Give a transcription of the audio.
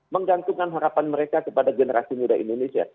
menggantungkan harapan mereka kepada generasi muda indonesia